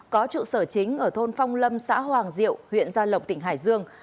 có trụ sở chính ở thôn phong lâm xã hoàng diệu huyện gia lộc tỉnh hải dương